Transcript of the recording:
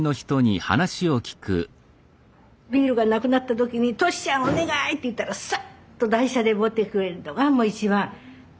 ビールがなくなった時に「利ちゃんお願い！」って言ったらスッと台車で持ってくれるのがもう一番感謝。